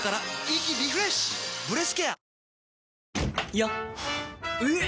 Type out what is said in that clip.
よっ！